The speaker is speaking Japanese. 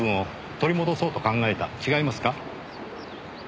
違いますか？